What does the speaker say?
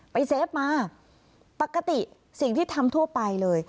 เซฟมาปกติสิ่งที่ทำทั่วไปเลย